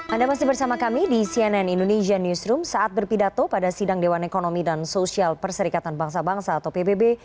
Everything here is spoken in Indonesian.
anda masih bersama kami di cnn indonesia newsroom saat berpidato pada sidang dewan ekonomi dan sosial perserikatan bangsa bangsa atau pbb